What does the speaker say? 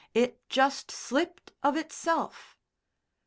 It just slipped of itself!"